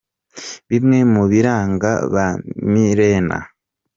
Bimwe mu biranga ba Milena